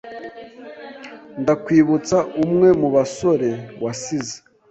Ndakwibutsa umwe mubasore wasize?